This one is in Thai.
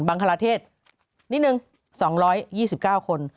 บังคลาเทศนิดหนึ่ง๒๒๙คน